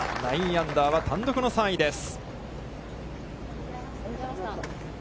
９アンダーは、単独の３位です。